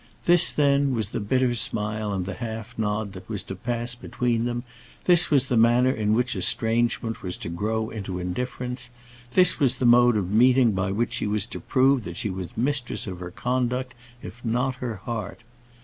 This, then, was the bitter smile and the half nod that was to pass between them; this was the manner in which estrangement was to grow into indifference; this was the mode of meeting by which she was to prove that she was mistress of her conduct, if not her heart!